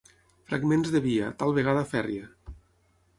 Fragments de via, tal vegada fèrria.